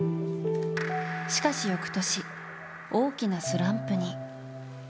しかし翌年、大きなスランプに。